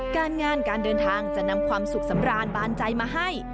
การงานการเดินทางจะนำความสุขสำราญบานใจมาให้